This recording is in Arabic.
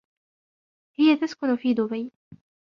هي تسكن في دبي.